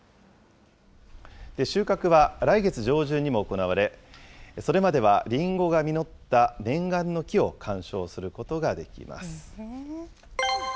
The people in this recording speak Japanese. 収穫は来月上旬にも行われ、それまではりんごが実った念願の木を鑑賞することができます。